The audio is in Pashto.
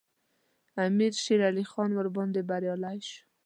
امیر شېرعلي خان ورباندې بریالی شو.